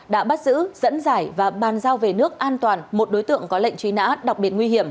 đã bắt giữ dẫn giải và bàn giao về nước an toàn một đối tượng có lệnh truy nã đặc biệt nguy hiểm